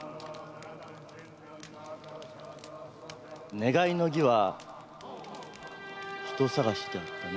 願いの儀は人探しじゃったな。